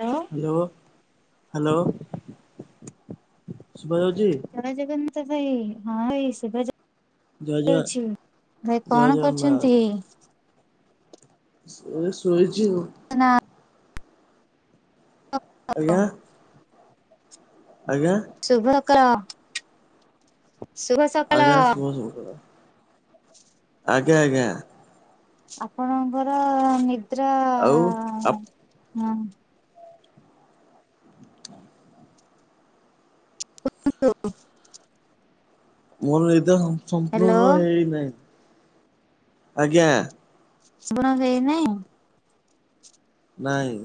Hello. Hello, hello, ଶୁଭା ଯାଉଛି? ଜୟ ଜଗନ୍ନାଥ ଭାଇ। ହଁ, ଭାଇ ଶୁଭା ଜୟ ଜଗ ଯା ଉଛି। ଭାଇ ଜୟ କଣ ଜଗନ୍ନାଥ। କରୁଛନ୍ତି? ଏ ଶୋଇଛିି ଆଉ। ନା ଆଜ୍ଞା? ଆଜ୍ଞା? ଶୁଭ ସକାଳ, ଶୁଭ ସକାଳ। ହୁଁ ହ। ଆଜ୍ଞା ଆଜ୍ଞା। ଆପଣଙ୍କର ନିଦ୍ରା ଆଉ? ହଁ, ହଁ, ହୁଁ। [unintelligible] ମୋର ନିଦ ହ୍ୟାଲୋ ସମ୍ପୂର୍ଣ୍ଣ ହେଇନାହିଁ। ଆଜ୍ଞା। ସମ୍ପୂର୍ଣ ହେଇ ନାହିଁ? ନାଇଁ।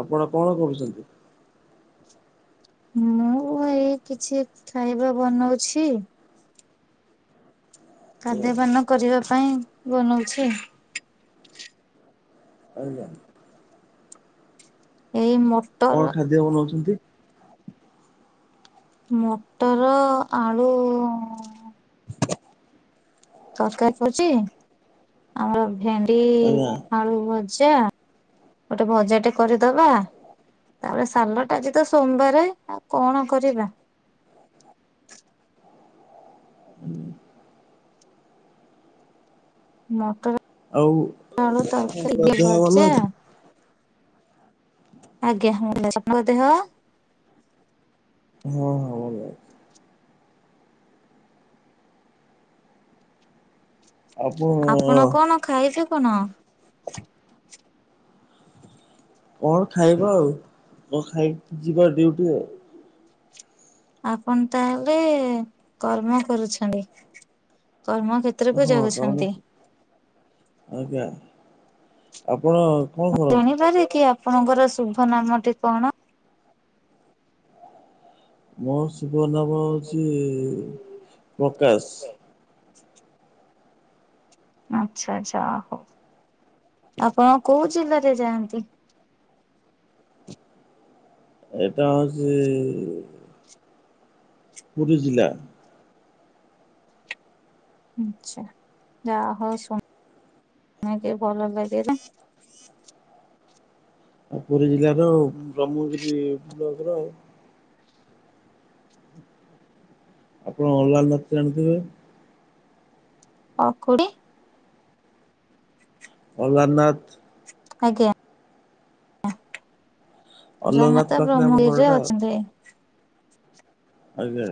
ଆପଣ କଣ କରୁଛନ୍ତି? ମୁଁ ଏଇ କିଛି ଖାଇବା ବନଉଛି। ଖାଦ୍ୟପାନ କରିବା ପାଇଁ ବନଉଛି। ଆଜ୍ଞା। ଏଇ ମ କଣ ଖାଦ୍ୟ ବନାଉଛନ୍ତି? ମଟର ଆଳୁ ତରକାରୀ କରୁଛୁ ଆଉ ଭେଣ୍ଡି ଆଜ୍ଞା ଆଳୁ ଭ ଜା ଗୋଟେ ବଜା ଟେ କରିଦବା। ତାପରେ ସାଲଟା ଆଜି ତ ସୋମବାରେ ଆଉ କଣ କରିବା। ହୁଁ। ଆଉ ମଟର ଆଳୁ ତରକାରି ଦେହ ଭଲ ଭଜା। ଅଛି? ଆଜ୍ଞା ହ ଭଲ ଅଛି। ଆପଣଙ୍କ ଦେହ? ହଁ ହଁ ଭଲ। ଆପଣ ଆପଣ କଣ ଖାଇବେ କଣ? କଣ ଖାଇବା ଆଉ କ ଖାଇ ଯିବା ଡ୍ୟୁଟି ଆଉ। ଆପଣ ତାହେଲେ କର୍ମ କରୁଛନ୍ତି କର୍ମ ଖେ ତ୍ରକୁ ହଁ କର୍ମ ଯାଉଛନ୍ତି। ଆଜ୍ଞା ଆପଣ କଣ ମୁଁ କରନ୍ତି? ଜାଣିପାରେ କି ଆପଣଙ୍କର ଶୁଭ ନାମଟି କଣ? ମୋ ଶୁଭ ନାମ ହଉଛି ପ୍ରକାଶ। ଆଛା ଆଚ୍ଛା ଓ ହଉ। ଆପଣ କୋଉ ଜିଲ୍ଲାରେ ଯାଆନ୍ତି? ଏଟା ହଉଛି ପୁରି ଜିଲ୍ଲା। ଆଛା ଯାହା ହଉ [inaudible] ଭଲ ଲାଗିଲା। ଆଉ ପୁରୀ ଜିଲ୍ଲାର ବ୍ରହ୍ମଗିରି ବ୍ଲକ ର ଆପଣ ଓଲର ନାଥ ଯାଣିଥିବେ? ଓଖୂଡି? ଅଲାରନାଥ। ଆଜ୍ଞା। ଅଲାରନାଥ ଅଲାରନାଥ ପାଖରେ ଆମ ବ୍ରହ୍ମଗିରିରେ ଘରଟା ଆଉ। ଅଛନ୍ତି। ଆଜ୍ଞା।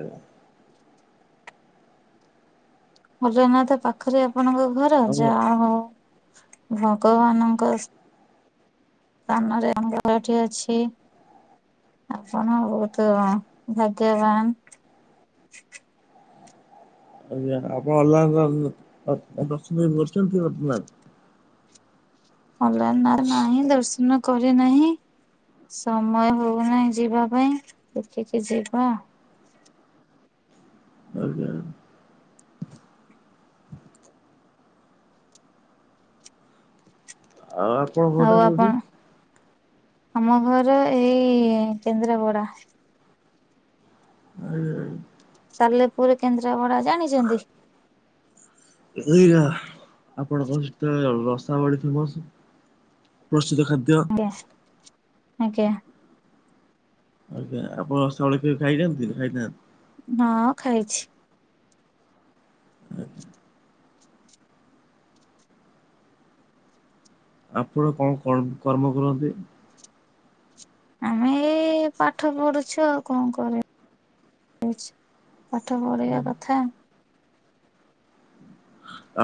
ଅଲାରନାଥ ପାଖରେ ଆପଣଙ୍କ ଘର ଆମ ଜା ହଉ ଭଗବାନଙ୍କ ସ୍ଥାନରେ [unintelligible] ଅଛି। ଆପଣ ବହୁତ ଭାଗ୍ୟବାନ। ଆଜ୍ଞା ଆପଣ ଅଲ୍ [inaudible] ଦଶନ କେବେ କରିଛନ୍ତି ଅଲାନାଥ? ଅଲାରନାଥ ନାହିଁ ଦର୍ଶନ କରି ନାହିଁ। ସମୟ ହଉନାହିଁ ଯିବା ପାଇଁ ଦେଖିକି ଯିବା। ଆଜ୍ଞା। ଆଉ ଆପଣଙ୍କ ଘରଟା ଆଉ ଆପଣ କୋଉଠି? ଆମ ଘର ଏଇ କେନ୍ଦ୍ରାପଡା। ଆ। [unintelligible] ସାଲେପୁର କେନ୍ଦ୍ରାପଡା ଜାଣିଛନ୍ତି? ଏଇରା ଆପଣଙ୍କ ସେତେଳ ରସବଳି ଫେମସ। ପ୍ରସିଦ୍ଧ ଖାଦ୍ୟ। ଆଜ୍ଞା। ଆଜ୍ଞା ଆପଣ ରସାବଳି କେବେ ଖାଇଛନ୍ତି ଖାଇଥାହାନ୍ତି? ହଁ ଖାଇଛି। ଆପଣ କଣ କର୍ମ କରନ୍ତି? ଆମେ ଏଇ ପାଠ ପଢୁଛୁ ଆଉ କଣ କରିବୁ। ପାଠ ପଢିବା କଥା।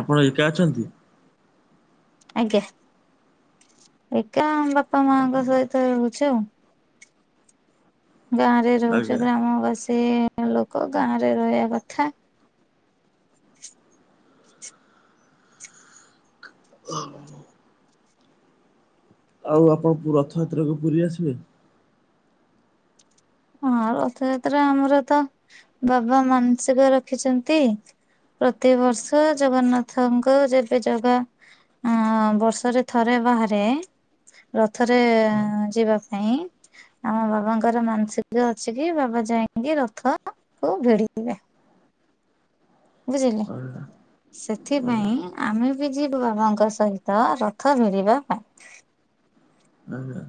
ଆପଣ ଏକା ଅଛନ୍ତି? ଆଜ୍ଞା। ଏକା ବାପା ମାଙ୍କ ଆଜ୍ଞା ସହିତ ରହୁଛି ଆଉ। ଗାଁରେ ରହୁଛୁ, ଆଜ୍ଞା। ଗ୍ରାମବାସୀ ଲୋକ ଗାଁ ରେ ରହିବା କଥା। ଆଉ ଆପଣ ରଥଯାତ୍ରାକୁ ପୁରୀ ଆସିବେ? ହଁ ରଥଯାତ୍ରା ଆମର ତ, ବାବା ମାନସିକ ରଖିଛନ୍ତି। ପ୍ରତିବର୍ଷ, ଜଗନ୍ନାଥଙ୍କ ଯେବେ ଜଗା ହଁ ବର୍ଷରେ ଥରେ ବାହାରେ ରଥରେ ଯିବା ପାଇଁ। ଆମ ବାବାଙ୍କର ମାନସିକ ଯ ଅଛି କି ବାବା ଯାଇକି ରଥକୁ ଭିଡିଥିବେ। ବୁଝିଲେ। ଆଜ୍ଞା ସେଥିପାଇଁ ଆମେ ବି ଯିବୁ ବାବାଙ୍କ ସହିତ ରଥ ଭିଡିବା ପାଇଁ। ହଁ ହ।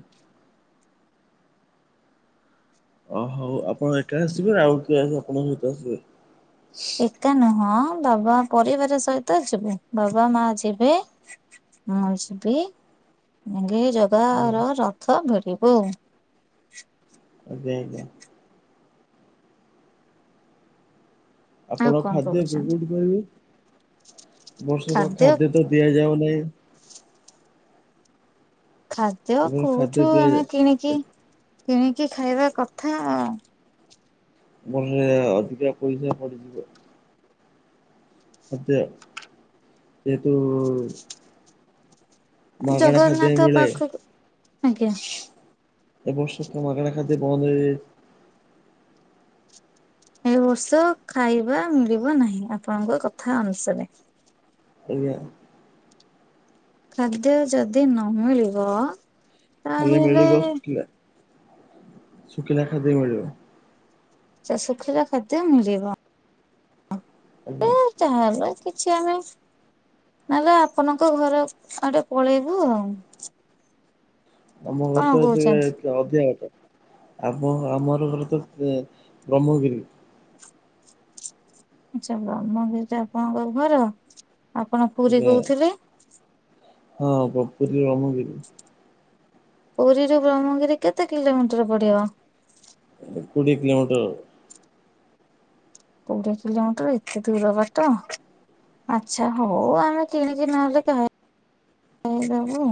ଅ ହଉ ଆପଣ ଏକା ଆସିବେ ଆଉ କିଏ ଆପଣଙ୍କ ସହିଁତ ଆସିବେ? ଏକା ନୁହଁ ବାବା ପରିବାର ସହିତ ଯିବୁ। ବାବା ମା ଯିବେ। ମୁଁ ଯିବି ସାଙ୍ଗେ ଜଗା ଆଜ୍ଞା ର ରଥ ଭିଡିବୁ। ଦେଇଦେ। ଆଉ ଆପଣ କଣ ଖାଦ୍ୟ କହୁଛନ୍ତି? ଯୋଗାଇପାରିବେ, ବର୍ଷକ ଖାଦ୍ୟ ତ ଦିଆଯାଉ ନାହିଁ। ଖାଦ୍ୟ ଏବଂ ଖାଦ୍ୟ କୋଉଠୁ ଦିଆଯାଏ ଆମେ କିଣିକି କିଣିକି ଖାଇବା କଥା ଆ। ମୁଁ କହିଲି ଅଧିକା ପଇସା ସରିଯିବ। ଏତେ ଜେହେତୁ ମାଗଣା ଖାଦ୍ୟ ଜଗନ୍ନାଥ ମିଳେ। ପାଖକୁ ଆଜ୍ଞା। ଏବର୍ଷ କଣ ମାଗଣା ଖାଦ୍ୟ ବନ୍ଦ ହେଇ ଯାଇଛି। ଏ ବର୍ଷ ଖାଇବା ମିଳିବ ନାହିଁ। ଆପଣଙ୍କ କଥା ଅନୁସାରେ। ଆଜ୍ଞା। ଖାଦ୍ୟ ଯଦି ନ ମିିଳିବ ଖାଲି ମିଳିବ ଶୁଖିଲା, ଶୁଖିଲା ଖାଦ୍ୟ ମିଳିବ। ସେ ଶୁଖିଲା ଖାଦ୍ୟ ମିଳିବ। ଆଜ୍ଞା। ତାହେଲେ କିଛି ଆମେ ନହେଲେ ଆପଣଙ୍କ ଘର ଆଡେ ପଳେଇବୁ ଆଉ। ଆମ ଘର କଣ ତ କହୁଛନ୍ତି? ଟିକେ ଅଧିକା ବାଟ। ଆପଣ, ଆମର ଘର ତ ବ୍ରହ୍ମଗିରି। ଆଛା ବ୍ରହ୍ମଗିରିରେ ଆପଣଙ୍କ ଘର? ଆପଣ ପୁରୀ ଆଜ୍ଞା କହୁଥିଲେ? ହଁ ବପୁରୀ ଅମରି ପୁରୀରୁ ବ୍ରହ୍ମଗିରି କେତେ କିଲୋମିଟର ପଡିବ? କୋଡ଼ିଏ କିଲୋମିଟର। କୋଡିଏ କିଲୋମିଟର ଏତେ ଦୂର ବାଟ? ଆଚଛା ହଉ ଆମେ କିଣିକି ନହେଲେ କା ଖାଇଦେବୁ।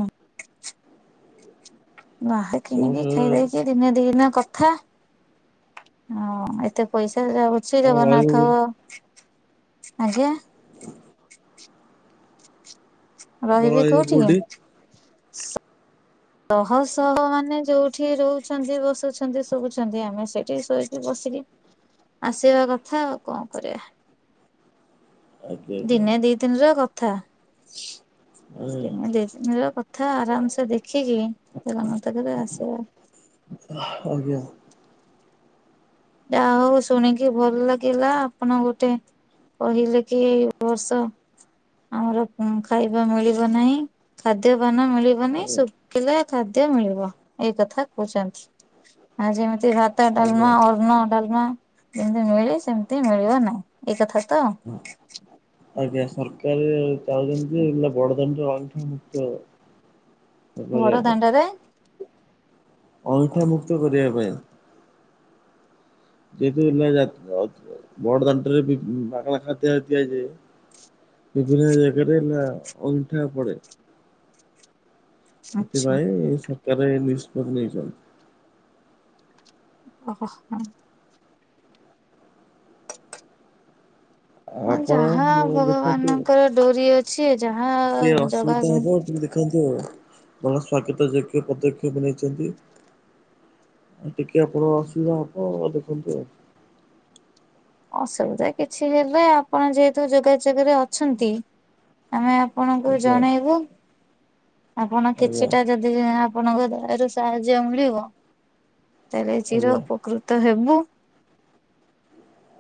ବାହାରେ ଏ କିଣିକି ବର୍ଷ ଖାଇଦେଇଛି। ଦିନେ ଦି ଦିନ କଥା ହଁ ଏତେ ପଇସା ଯାଉ ଶ୍ରୀ ଆପଣ ରହିବୁ ଜଗନ୍ନାଥ ଆଜ୍ଞା। ଆପଣ ରହିବି ରହିବେ କୋଉଠି କି? ଶହ ଶହ ମାନେ ଯୋଉଠି ରହୁଛନ୍ତି ବସୁଛନ୍ତି ସୋଉଛନ୍ତି ଆମେ ସେଠି ଶୋଇ ବସିକି ଆସିବା କଥା ଆଉ କଣ କରିବା। ଆଜ୍ଞା ଦିନେ ଦିନିର କଥା। ଦିନେ ଦି ଦିନର କଥା ଆରାମସେ ଦେଖିକି ସେ ତ ମୋତେ କହିଲେ ଆସିବ। ଆଜ୍ଞା। ଯା ହଉ ଶୁଣିକି ଭଲ ଲାଗିଲା ଆପଣ ଗୋଟେ କହିଲେ କି ଏଇ ବର୍ଷ ଆମର ଖାଇବା ମିଳିବ ନାଇଁ ଖାଦ୍ୟପାନ ମିଳି ବନି ଶୁଖିଲା ଖାଦ୍ୟ ମିଳିବ ଏଇ କଥା କହୁଛନ୍ତି ଆ ଯେମିତି ଭା ଭାତ ଆଜ୍ଞା। ଡାଲମା ଅନ୍ନ ଡାଲମା ଯେମତି ମିଳେ ସେମତି ମିଳିବ ନାହିଁ ଏଇ କଥା ତ ହଁ ଆଜ୍ଞା ସରକାର ଚାହୁଛନ୍ତି ଯେ ବଡଦାଣ୍ଡ ଅଇଁଠା ମୁକ୍ତ କରିବା ବଡ ପାଇଁ। ଦାଣ୍ଡରେ ଅଇଁଠା ମୁକ୍ତ କରିବା ପାଇଁ। ଯେହେତୁ [unintelligible] ବଡ ଦାଣ୍ଡରେ ମାଗଣା ଖାଦ୍ୟ ତିଆଯାଏ। ବିଭିନ୍ନ ଜାଗାରେ ନା ଅଇଁଠା ପଡେ। ଆଚ୍ଛା। ସେଥିପାଇଁ ସରକାର ଏ ନିଷ୍ପତ୍ତି ନେଇଛନ୍ତି। ଓହୋ ହଁ। ଆପଣ ଯାହା ମୁଁ ଦେଖନ୍ତୁ ଭଗବାନଙ୍କର ଡୋରି ଅଛି ଯାହା ଟିକେ ଜଗା ଅସୁବିଧା ଯେମିତି ହେବ। ଦେଖନ୍ତୁ ଭଲ ସ୍ଵାଗତ ଯୋଗ୍ୟ ପଦକ୍ଷେପ ନେଇଛନ୍ତି। ଆଉ ଟିକେ ଆପଣ ଅସୁବିଧା ହବ ଆ ଦେଖନ୍ତୁ ଆଉ। ଅସୁବିଧା କିଛି ହେବେ ଆପଣ ଯେହେତୁ ଯୋଗାଯୋଗରେ ଅଛନ୍ତି। ଆମେ ଆପଣଙ୍କୁ ଆଜ୍ଞା ଜଣେଇବୁ। ଆପଣ ଆଜ୍ଞା କିଛିଟା ଯଦି ଆପଣଙ୍କ ଦୟାରୁ ସାହାଯ୍ୟ ମିଳିବ। ତାହେଲେ ଚିର ଆଜ୍ଞା ଉପକୃତ ହେବୁ।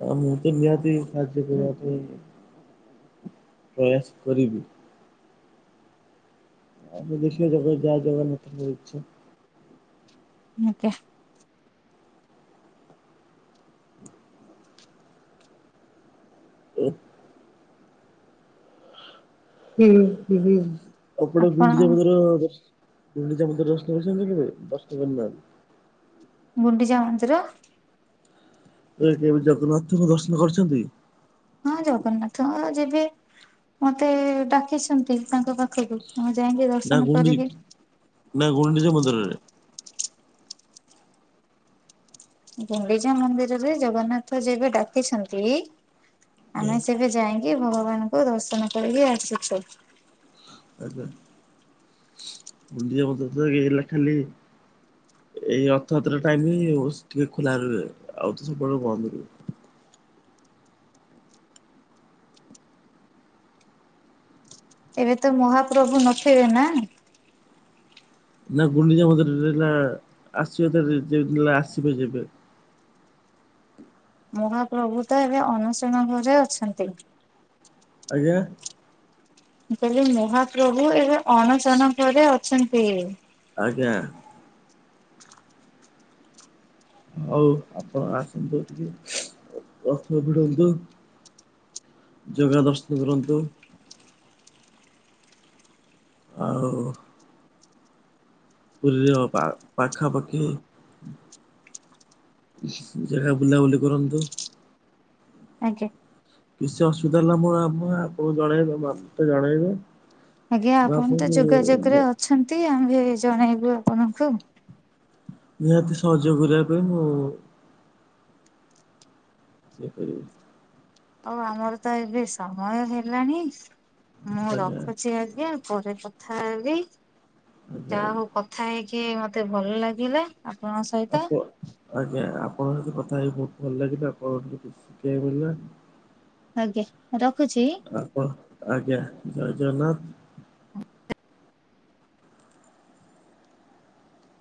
ଆ ମୁଁ ତ ନିହାତି ସାହାଯ୍ୟ କରିବା ପାଇଁ ପ୍ରୟାସ କରିବି। ଆ ଦେଶିଅ ଜଗ ଯାହା ଜଗନ୍ନାଥଙ୍କ ଇଚ୍ଛା। ମୁଁ ଚା। ଓ କ୍। ହୁଁ ହଁ ଆପଣ ଗୁଣ୍ଡିଚା ମନ୍ଦିର ଦସ୍ ଗୁଣ୍ଡିଚା ମନ୍ଦିର ଦର୍ସ କରିଛନ୍ତି କି କେବେ ଦର୍ସ୍ କରିନାହନ। ଗୁଣ୍ଡିଚା ମନ୍ଦିର। ଏ କେବେ ଜଗନ୍ନାଥଙ୍କୁ ଦର୍ଶନ କରିଛନ୍ତି? ହଁ ଜଗନ୍ନାଥ ହ ଯିବି ମତେ ଡାକିଛନ୍ତି ତାଙ୍କ ପାଖକୁ ମୁଁ ଯାଇଁକି ଦ ନା ଗୁଣ୍ଡିରି ନା ଗୁଣ୍ଡିଚା ମନ୍ଦିରରେ। ଗୁଣ୍ଡିଚା ମନ୍ଦିରରେ ଜଗନ୍ନାଥ ଯେବେ ଡାକିଛନ୍ତି ଆମେ ସେବେ ଯାଇକି ଭଗବାନଙ୍କୁ ଦର୍ଶନ କରିକି ଆସିଛୁ। ଆଞା ମୁଡି ମ ହେଲା ଖାଲି [unintelligible] ଏଇ ରଥଯାତ୍ରା ଟାଇମ ହିଁ ଟିକେ ଖୋଲାରେ ରୁହେ ଆଉ ତ ସବୁବେଳେ ବନ୍ଦ ରୁହେ। ଏବେ ତ ମହାପ୍ରଭୁ ନଥିବେ ନା। ନା ଗୁଣ୍ଡିଚା ମନ୍ଦିରେ ନା ଆସିବତ ଆସିବେ ଯେବେ। ମହାପ୍ରଭୁ ତ ଏବେ ଅଣସଣ ଘରେ ଅଛନ୍ତି। ଆଜ୍ଞା। କହିଲି ମହାପ୍ରଭୁ ଏବେ ଅଣଶଣ ଘରେ ଅଛନ୍ତି। ଆଜ୍ଞା। ହଉ ଆପଣ ଆସନ୍ତୁ ଟିକେ ରଥ ଭିଡନ୍ତୁ। ଜଗା ଦର୍ଶନ କରନ୍ତୁ। ଆଉ। ପୁରୀର ପା ପାଖାପାଖି। ଜାଗା ବୁଲାବୁଲି କରନ୍ତୁ। ଆଜ୍ଞା। କିଛି ଅସୁବିଧା ହେଲା ମୁଁ ଆ ଆପଣଙ୍କୁ ଜଣେଇବି, ଜଣେଇବି। ଆଜ୍ଞା ଆପଣ ତ ଯୋଗାଯୋଗରେ ଅଛନ୍ତି ଆମେ ଜଣେଇବୁ ଆପଣଙ୍କୁ। ନିହାତି ସହଯୋଗ କରିବା ପାଇଁ ମୁଁ ହେ ଦେ। ହଉ ଆମର ତ ଏବେ ସମୟ ହେଲାଣି ମୁଁ ଆଜ୍ଞା ରଖୁଛି ଆଜ୍ଞା। ପରେ କଥା ହେବି ଆଜ୍ଞା ଯାହା ଆଜ୍ଞା। ହଉ କଥା ହେଇକି ମତେ ଭଲ ଲାଗିଲା। ଆପଣଙ୍କ ସହିତ। ଆପ ଆଜ୍ଞା ଆପଣଙ୍କ ସହିତ କଥା ହେଇି ବହୁତ ଭଲ ଲାଗିଲା ଆପଣଙ୍କ ଟ କିଛି ଶିଖେଇିବାକୁ ମିଳିଲା। ଆଜ୍ଞା, ରଖୁଛି? ଆପ ଆଜ୍ଞା ଜୟ ଜଗନ୍ନାଥ। ହଁ।